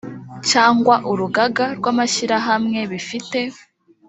cyangwa urugaga rw amashyirahamwe bifite